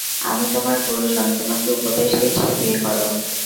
আমি তোমার গুরুজন, তোমাকে উপদেশ দিচ্ছি, বিয়ে করো।